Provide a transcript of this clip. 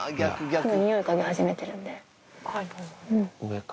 ニオイ嗅ぎ始めてるんで。